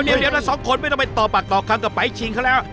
เดี๋ยวเราสองคนไม่ต้องไปต่อปากต่อคำกับไปชิงเขาแล้ว